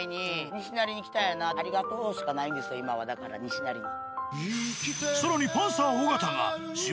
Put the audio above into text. あっ私今はだから西成に。